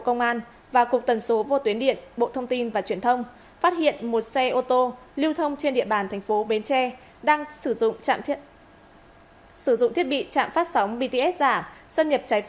công an bến tre đang tiến hành điều tra xác minh vụ việc sử dụng hàng trăm trạm phát sóng bệnh nhân